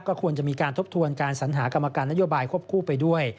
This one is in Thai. ควรจะมีการทบทวนการสัญหากรรมการนโยบายควบคู่ไปด้วย